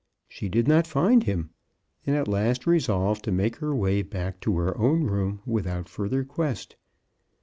She did not find him, and at last resolved to make her way back to her own room without further quest.